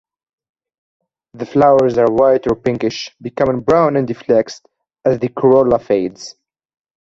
The flowers are white or pinkish, becoming brown and deflexed as the corolla fades.